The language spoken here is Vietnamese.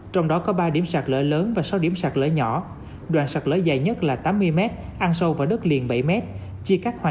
trong đó có ba điểm sạt lỡ lớn và sáu điểm sạt lỡ nhỏ